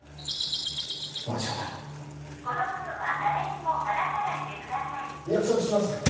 もちろんだこのことは誰にも話さないでください約束します